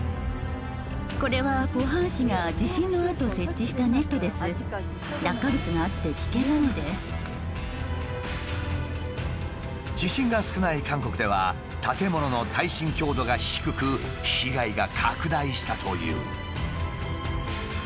これは地震が少ない韓国では建物の耐震強度が低く被害が拡大したという。